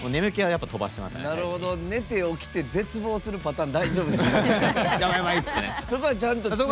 寝て起きて、絶望するパターン大丈夫ですか。